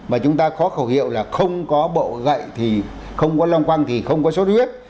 mà chúng ta có khẩu hiệu là không có bậu gậy thì không có long quăng thì không có sốt huyết